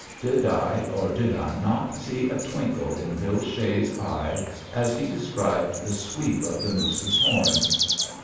Did I or did I not see a twinkle in Bill Shea's eye as he described the sweep of the moose's horns?